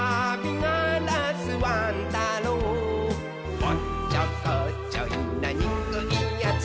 「おっちょこちょいなにくいやつ」